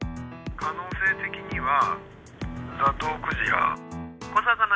可能性的にはザトウクジラ。